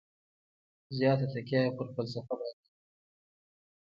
زیاته تکیه یې پر فلسفه باندې وي.